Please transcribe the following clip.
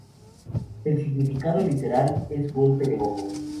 El significado literal es "golpe de ojo".